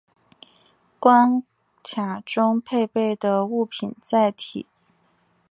关卡中配置的物品载体。